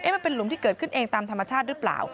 มันเป็นหลุมที่เกิดขึ้นเองตามธรรมชาติหรือเปล่า